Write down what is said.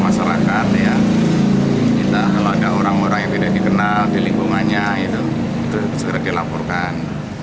masyarakat ya kita kalau ada orang orang yang tidak dikenal di lingkungannya itu segera dilaporkan